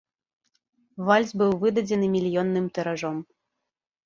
Вальс быў выдадзены мільённым тыражом.